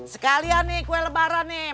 sekalian nih kue lebaran nih